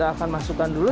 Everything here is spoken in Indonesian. kita akan masukkan dulu